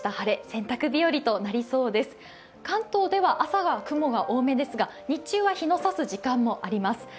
関東でも朝は雲が多めですが日中は日の差す時間もあります。